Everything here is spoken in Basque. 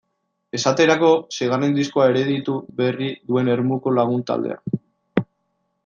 Esaterako, seigarren diskoa erditu berri duen Ermuko lagun taldea.